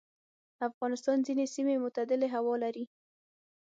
افغانستان ځینې سیمې معتدلې هوا لري.